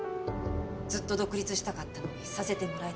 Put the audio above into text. ずっと独立したかったのにさせてもらえなかった。